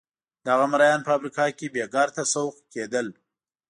دغه مریان په افریقا کې بېګار ته سوق کېدل.